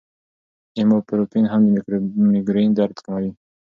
ایبوپروفین هم د مېګرین درد کموي.